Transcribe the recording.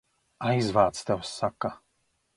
Aizvāc, tev saka!